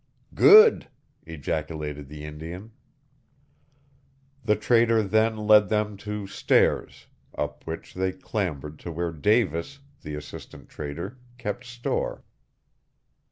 "Good!" ejaculated the Indian. The Trader then led them to stairs, up which they clambered to where Davis, the Assistant Trader, kept store.